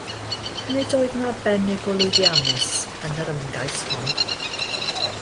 Nid oedd yn arbennig o lwyddiannus yn yr ymgais hon.